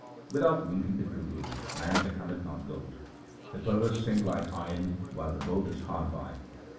Without meeting the true Guru man becometh not gold ; the perverse sink like iron while the boat is hard by.